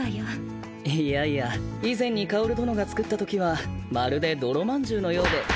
いやいや以前に薫殿が作ったときはまるで泥まんじゅうのようで。